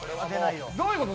どういうこと？